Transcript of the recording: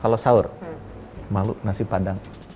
kalau sahur malu nasi padang